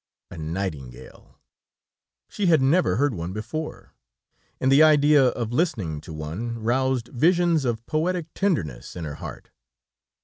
A nightingale! She had never heard one before, and the idea of listening to one roused visions of poetic tenderness in her heart.